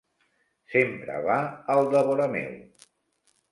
Sempre va al devora meu.